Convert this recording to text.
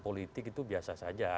politik itu biasa saja